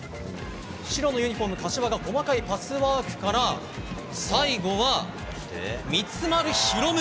白のユニホーム柏が細かいパスワークから最後は、三丸拡！